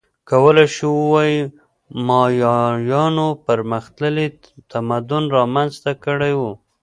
کولای شو ووایو مایایانو پرمختللی تمدن رامنځته کړی و